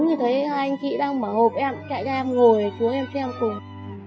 đứng thì thấy hai anh chị đang mở hộp em chạy ra em ngồi xuống em xem cùng